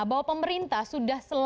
bahwa pemerintah sudah selesai